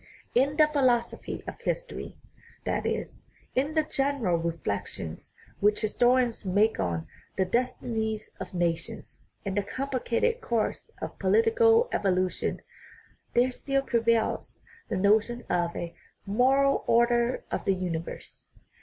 In the philosophy of history that is, in the general reflections which historians make on the destinies of nations and the complicated course of political evolu tion there still prevails the notion of a " moral order of the universe."